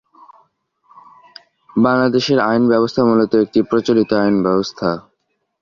বাংলাদেশের আইনব্যবস্থা মূলত একটি প্রচলিত আইনব্যবস্থা।